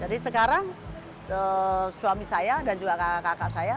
jadi sekarang suami saya dan juga kakak kakak saya